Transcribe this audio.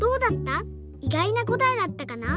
いがいなこたえだったかな？